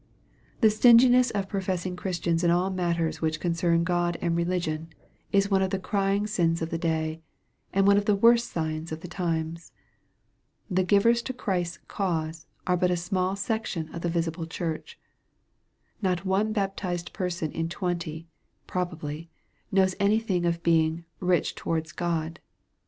The stinginess of professing Christians in all matters which concern God and religion, is one of the crying sins of the day, and one of the worst signs of the times. The givers to Christ's cause are but a small sec tion of the visible church. Not one baptized person in twenty, probably, knows any thing of being " rich to wards God."